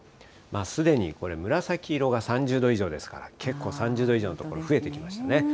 すでにこれ、紫色が３０度以上ですから、結構３０度以上の所増えてきましたね。